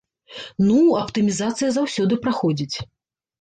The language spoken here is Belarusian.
Ну, аптымізацыя заўсёды праходзіць.